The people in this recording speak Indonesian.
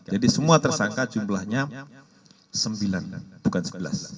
jadi semua tersangka jumlahnya sembilan bukan sebelas